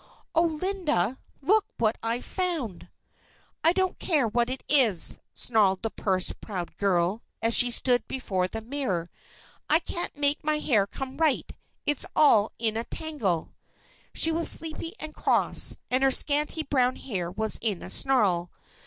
"Oh, Linda! Look what I've found!" "I don't care what it is!" snarled the purse proud girl, as she stood before the mirror. "I can't make my hair come right. It's all in a tangle." She was sleepy and cross, and her scanty brown hair was in a snarl.